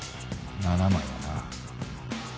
７枚だな。